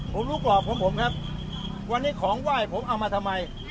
ผมรู้กรอบของผมครับวันนี้ของไหว้ผมเอามาทำไม